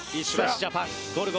ジャパンゴルゴ